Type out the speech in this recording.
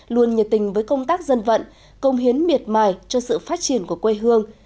luôn nhiệt tình với công tác dân vận công hiến miệt mài cho sự phát triển của quê hương